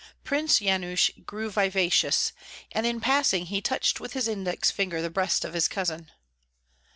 Prince Yanush grew vivacious, and in passing he touched with his index finger the breast of his cousin.